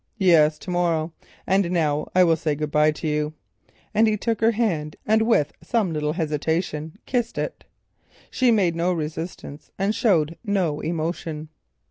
"Yes, to morrow. And now I will say good bye to you," and he took her hand, and with some little hesitation kissed it. She made no resistance and showed no emotion.